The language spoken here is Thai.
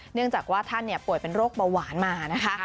เนื่องจากว่าท่านป่วยเป็นโรคเบาหวานมานะคะ